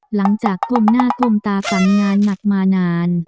หลังจากก้มหน้าก้มตากันงานหนักมานาน